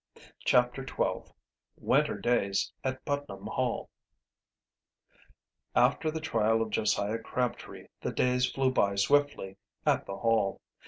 CHAPTER XII WINTER DAYS AT PUTNAM HALL After the trial of Josiah Crabtree the days flew by swiftly at the Hall.